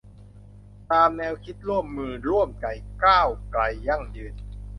ตามแนวคิด ร่วมมือ ร่วมใจ ก้าวไกล ยั่งยืน